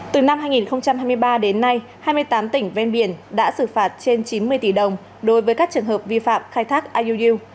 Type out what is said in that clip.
từ năm hai nghìn hai mươi ba đến nay hai mươi tám tỉnh ven biển đã xử phạt trên chín mươi tỷ đồng đối với các trường hợp vi phạm khai thác iuu